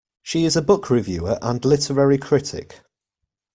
She is a book reviewer and literary critic.